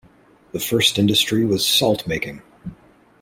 The first industry was salt-making.